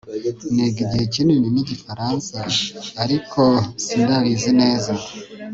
Niga igihe kinini nigifaransa ariko sindabizi neza